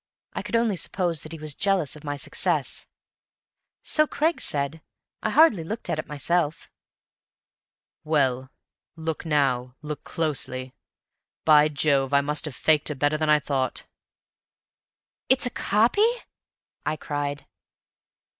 I could only suppose that he was jealous of my success. "So Craggs said. I hardly looked at it myself." "Well, look now look closely. By Jove, I must have faked her better than I thought!" "It's a copy!" I cried.